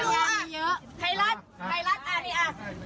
อันนี้เป็นใครก็ไม่รู้นะ